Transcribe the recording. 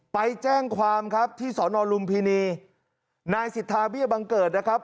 ไปแจ้งความครับที่สอนอลุมพินีนายสิทธาเบี้ยบังเกิดนะครับ